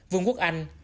vùng quốc anh